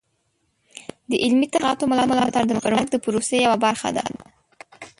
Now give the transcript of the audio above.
د علمي تحقیقاتو ملاتړ د پرمختګ د پروسې یوه برخه ده.